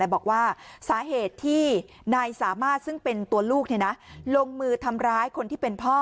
บอกว่าสาเหตุที่สามารถทรงมือทำร้ายใครที่เป็นท่อ